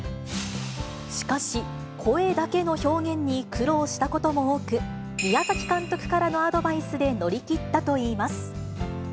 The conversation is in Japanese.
しかし、声だけの表現に苦労したことも多く、宮崎監督からのアドバイスで乗り切ったといいます。